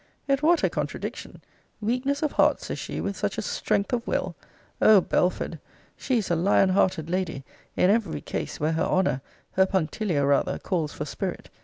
Yet what a contradiction! Weakness of heart, says she, with such a strength of will! O Belford! she is a lion hearted lady, in every case where her honour, her punctilio rather, calls for spirit.